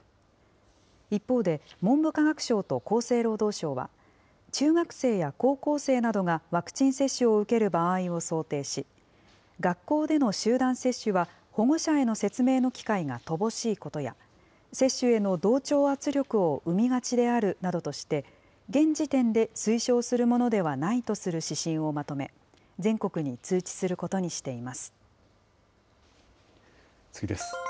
一方で、文部科学省と厚生労働省は、中学生や高校生などがワクチン接種を受ける場合を想定し、学校での集団接種は、保護者への説明の機会が乏しいことや、接種への同調圧力を生みがちであるなどとして、現時点で推奨するものではないとする指針をまとめ、全国に通知す次です。